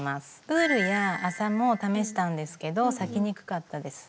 ウールや麻も試したんですけど裂きにくかったです。